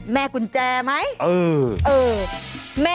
แม่กุญแจไหม